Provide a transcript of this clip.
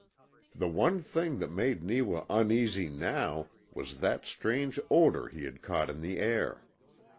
The one thing that made Neewa uneasy now was that strange odour he had caught in the air.